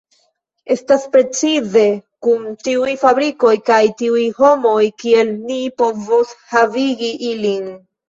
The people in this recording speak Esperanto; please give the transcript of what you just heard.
Estas precize kun tiuj fabrikoj kaj tiuj homoj kiel ni povos havigi ilin.